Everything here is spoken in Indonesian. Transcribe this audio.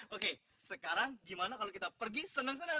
oke sekarang gimana kalau kita pergi senang senang